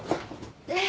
えっ？